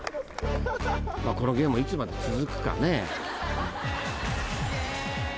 ［この芸もいつまで続くかね］